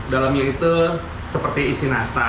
dalamnya itu seperti isi nastar